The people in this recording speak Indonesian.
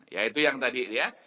ya itu yang tadi ya